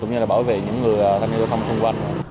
cũng như là bảo vệ những người tham gia